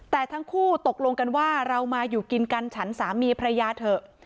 แต่ทั้งคู่ตกลงกันว่าเรามาอยู่กินกันฉันสามีภรรยาเถอะ